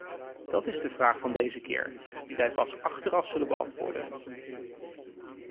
Dat is de vraag van deze keer, die wij pas achteraf zullen beantwoorden.